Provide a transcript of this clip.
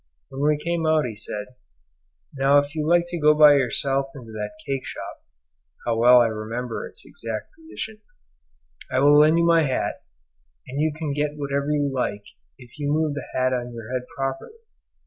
When we came out he said, "Now if you like to go by yourself into that cake shop (how well I remember its exact position) I will lend you my hat, and you can get whatever you like if you move the hat on your head properly."